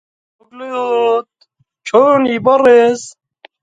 حقووقی جاسووسی و گوویندەگی وەردەگرت